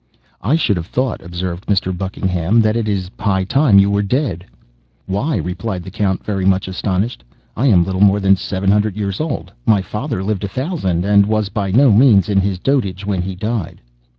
"I should have thought," observed Mr. Buckingham, "that it is high time you were dead." "Why," replied the Count, very much astonished, "I am little more than seven hundred years old! My father lived a thousand, and was by no means in his dotage when he died."